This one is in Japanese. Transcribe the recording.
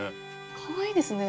かわいいですね。